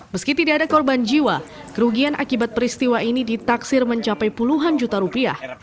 meski tidak ada korban jiwa kerugian akibat peristiwa ini ditaksir mencapai puluhan juta rupiah